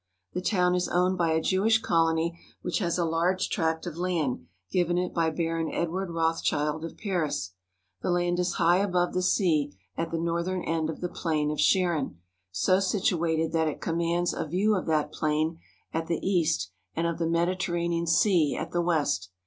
The town is owned by a Jewish colony which has a large tract of land given it by Baron Edward Roths child of Paris. The land is high above the sea at the northern end of the plain of Sharon, so situated that it commands a view of that plain at the east and of the Mediterranean Sea at the west.